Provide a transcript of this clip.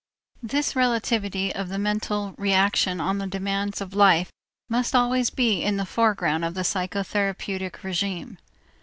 This relativity of the mental reaction on the demands of life must always be in the foreground of the psychotherapeutic régime.